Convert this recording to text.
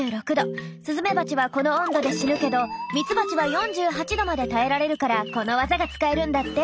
スズメバチはこの温度で死ぬけどミツバチは４８℃まで耐えられるからこの技が使えるんだって。